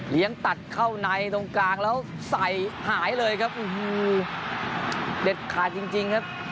ตัดเข้าในตรงกลางแล้วใส่หายเลยครับเด็ดขาดจริงครับ